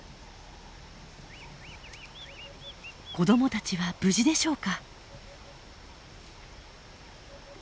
子どもたちは無事でしょうか？